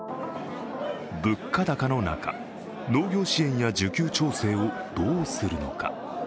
物価高の中、農業支援や需給調整をどうするのか。